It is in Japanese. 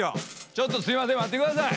ちょっとすいません待って下さい！